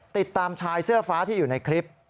ติดตามชายเสื้อฟ้าที่อยู่ในคลิป